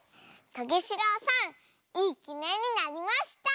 トゲしろうさんいいきねんになりました！